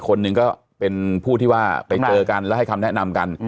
คนหนึ่งก็เป็นผู้ที่ว่าไปเจอกันแล้วให้คำแนะนำกัน